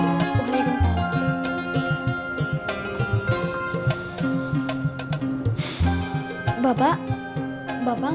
aku untuk membela mimpiku karena